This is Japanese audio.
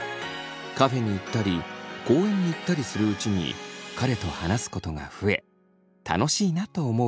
カフェに行ったり公園に行ったりするうちに彼と話すことが増え楽しいなと思うようになりました。